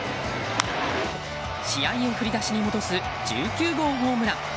試合を振り出しに戻す１９号ホームラン！